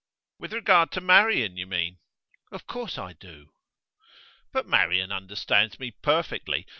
'With regard to Marian, you mean?' 'Of course I do.' 'But Marian understands me perfectly.